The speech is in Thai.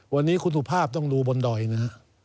วันนี้คุณสุภาพต้องดูบนดอยนะฮะ